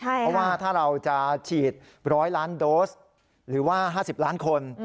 เพราะว่าถ้าเราจะฉีด๑๐๐ล้านโดสหรือว่า๕๐ล้านคน